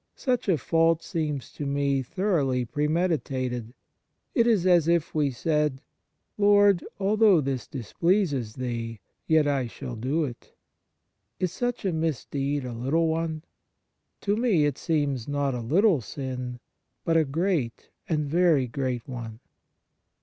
Such a fault seems to me thoroughly premeditated. It is as if we said : Lord, although this dis pleases Thee, yet I shall do it. ... Is such a misdeed a little one ? To me it seems not a little sin, but a great and very great one."